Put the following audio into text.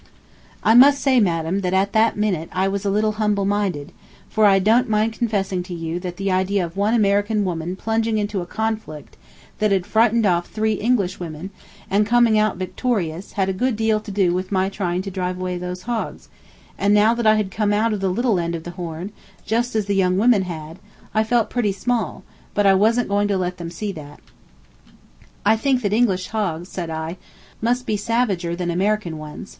I must say, madam, that at that minute I was a little humble minded, for I don't mind confessing to you that the idea of one American woman plunging into a conflict that had frightened off three English women, and coming out victorious, had a good deal to do with my trying to drive away those hogs; and now that I had come out of the little end of the horn, just as the young women had, I felt pretty small, but I wasn't going to let them see that. "I think that English hogs," said I, "must be savager than American ones.